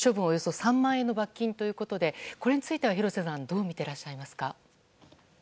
およそ３万円の罰金ということで、これについてはどう見られていますか。